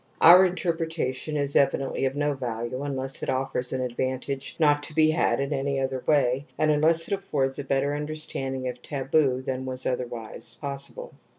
Our intrepretation is evidently of no value imless it affords an advantage not to be had in any other way and imless it affords a better understanding of taboo than was otherwise possible.